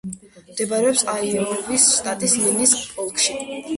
მდებარეობს აიოვის შტატის ლინის ოლქში.